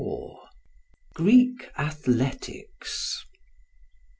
Greek Athletics.